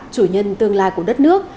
chủ nhân tương lai của đất nước